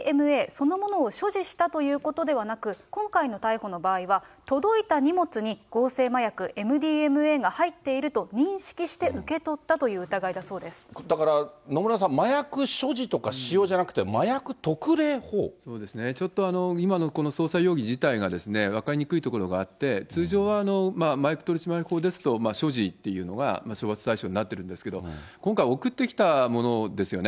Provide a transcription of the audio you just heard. そのものを所持したということではなく、今回の逮捕の場合は、届いた荷物に、合成麻薬ＭＤＭＡが入っていると認識して受け取ったという疑いだだから、野村さん、麻薬所持とか使用じゃなくて、そうですね、ちょっと今のこの捜査容疑自体が分かりにくいところがあって、通常は麻薬取締法ですと、所持っていうのが処罰対象になってるんですけれども、今回、送ってきたものですよね。